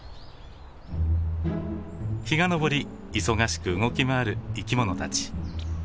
日が昇り忙しく動き回る生き物たち。